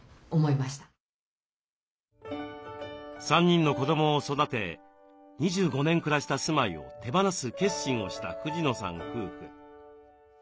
３人の子どもを育て２５年暮らした住まいを手放す決心をした藤野さん夫婦。